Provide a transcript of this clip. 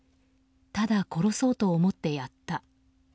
ただ殺そうと思ってやった。